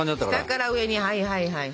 下から上にはいはいはい。